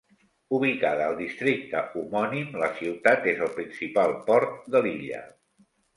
Ubicada al districte homònim, la ciutat és el principal port de l'illa.